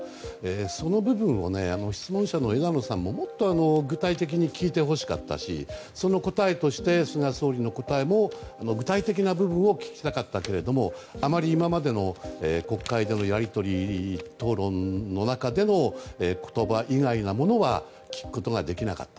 その部分を質問者の枝野さんももっと具体的に聞いてほしかったしその答えとして菅総理の答えも具体的な部分を聞きたかったけどもあまり今までの国会でのやり取り討論の中での言葉以外のものは聞くことができなかった。